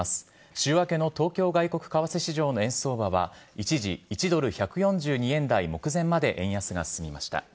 週明けの東京外国為替市場の円相場は、一時１ドル１４２円台目前まで円安が進みました。